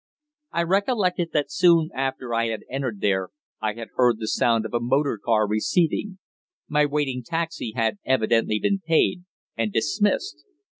I recollected that soon after I had entered there I had heard the sound of a motor car receding. My waiting taxi had evidently been paid, and dismissed.